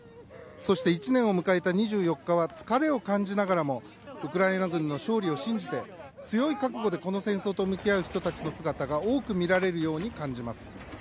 そして１年を迎えた２４日は疲れを感じながらもウクライナ軍の勝利を信じて強い覚悟でこの戦争と向き合う人たちの姿が多く見られるように感じます。